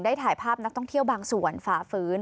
ถ่ายภาพนักท่องเที่ยวบางส่วนฝ่าฝืน